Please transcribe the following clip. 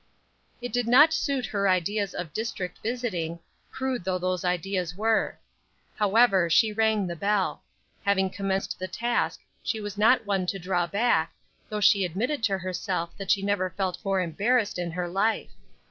It did not suit her ideas of district visiting, crude though those ideas were. However, she rang the bell. Having commenced the task she was not one to draw back, though she admitted to herself that she never felt more embarrassed in her life.